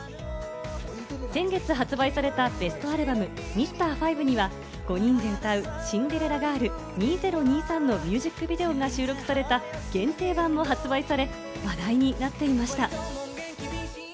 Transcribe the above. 先月発売されたベストアルバム『Ｍｒ．５』には５人で歌う『シンデレラガール２０２３』のミュージックビデオが収録された限定版も発売され話題になっていました。